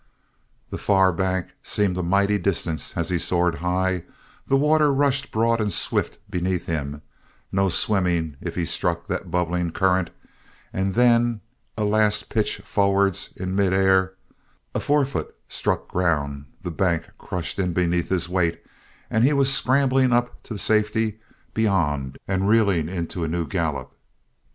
The far bank seemed a mighty distance as he soared high the water rushed broad and swift beneath him, no swimming if he struck that bubbling current and then, a last pitch forwards in mid air; a forefoot struck ground, the bank crushed in beneath his weight, and then he was scrambling to the safety beyond and reeling into a new gallop.